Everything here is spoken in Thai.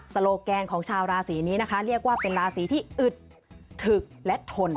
โลแกนของชาวราศีนี้นะคะเรียกว่าเป็นราศีที่อึดถึกและทน